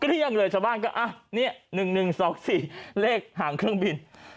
เรียกเลยชาวบ้านก็นี่๑๑๒๔เลขหางเครื่องบิน